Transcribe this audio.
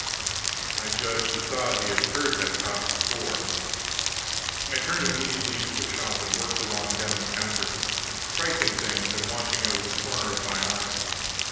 I judge he thought he had heard that cough before. I turned immediately into a shop and worked along down the counter, pricing things and watching out of the corner of my eye.